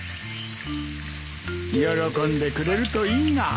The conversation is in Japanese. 喜んでくれるといいが。